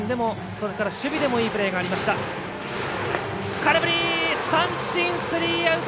空振り三振、スリーアウト！